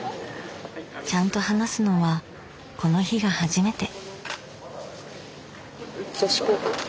ちゃんと話すのはこの日が初めて。